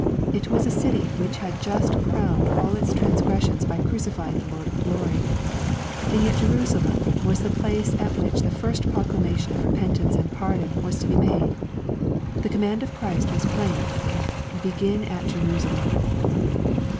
It was a city which had just crowned all its transgressions by crucifying the Lord of glory. And yet Jerusalem was the place at which the first proclamation of repentance and pardon was to be made. — The command of Christ was plain ;—" Begin at Jerusalem."